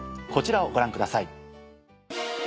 こちらをご覧ください。